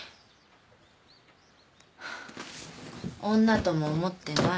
女とも思ってない。